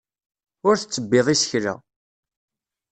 Ur tettebbiḍ isekla.